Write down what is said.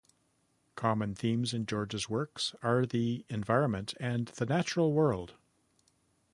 Common themes in George's works are the environment and the natural world.